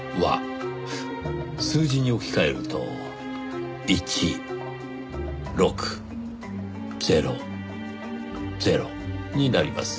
数字に置き換えると１６００になります。